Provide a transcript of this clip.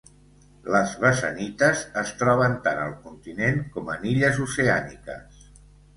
Les basanites es troben tant al continent com en illes oceàniques.